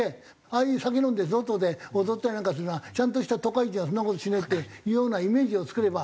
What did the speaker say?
ああいう酒飲んで外で踊ったりなんかするのはちゃんとした都会人はそんな事しねえっていうようなイメージを作れば。